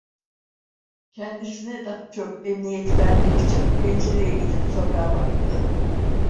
Kendisine daha çok emniyet vermek için pencereye gidip sokağa baktı.